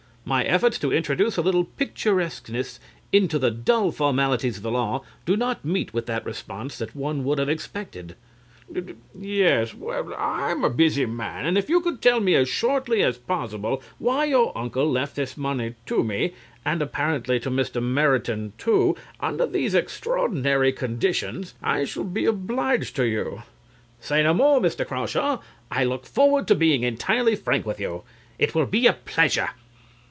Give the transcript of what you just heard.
My efforts to introduce a little picturesqueness into the dull formalities of the law do not meet with that response that one would have expected. CRAWSHAW (looking at his watch). Yes. Well, I'm a busy man, and if you could tell me as shortly as possible why your uncle left this money to me, and apparently to Mr. Meriton too, under these extraordinary conditions, I shall be obliged to you. CLIFTON. Say no more, Mr. Crawshaw; I look forward to being entirely frank with you. It will be a pleasure.